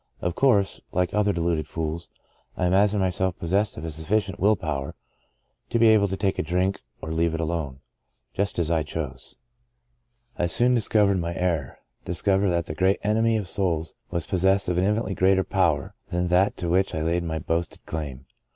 Of course, like other deluded fools, I imagined myself pos sessed of sufficient will power to be able to take a drink or leave it alone — ^just as I chose. "I soon discovered my error — discovered that the great Enemy of souls was pos sessed of an infinitely greater power than that to which I laid my boasted claim.